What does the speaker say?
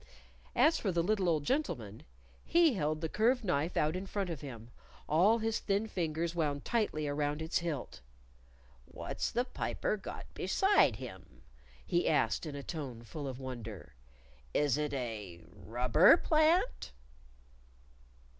As for the little old gentleman, he held the curved knife out in front of him, all his thin fingers wound tightly around its hilt. "What's the Piper got beside him?" he asked in a tone full of wonder. "Is it a _rubber plant?